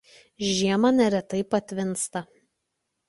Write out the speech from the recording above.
Žiemą neretai patvinsta.